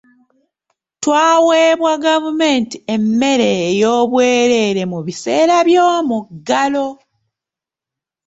Twaweebwa gavumenti emmere ey'obwereere mu biseera by'omuggalo.